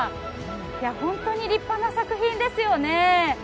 本当に立派な作品ですよね。